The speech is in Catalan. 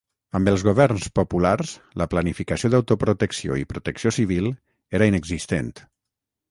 Amb els governs populars la planificació d’autoprotecció i protecció civil era inexistent.